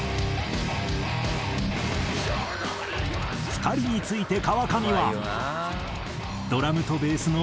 ２人について川上は。